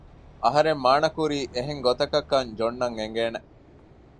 އަހަރެން މާނަ ކުރީ އެހެން ގޮތަކަށް ކަން ޖޮން އަށް އިނގޭނެ